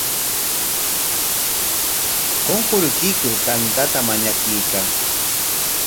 Qunqurikuykur tantata mañakuykan.